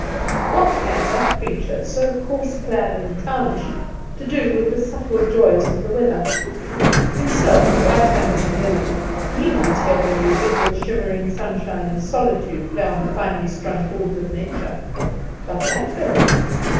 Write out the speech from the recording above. What had that creature, so coarse clad and clownish, to do with the subtle joys of the weather? Himself, white handed and delicate, he might hear the music with shimmering sunshine and solitude play on the finely strung chords of nature; but that fellow!